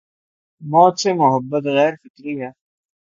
موت سے محبت غیر فطری ہے۔